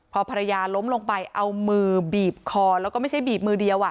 พอภรรยาล้มลงไปเอามือบีบคอแล้วก็ไม่ใช่บีบมือเดียว